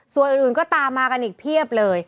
ส่วนอื่นก็ตามมากันอีกเพียบเลย